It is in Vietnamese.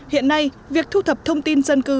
hiện nay việc thu thập thông tin dân cư